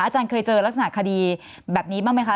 อาจารย์เคยเจอลักษณะคดีแบบนี้บ้างไหมคะ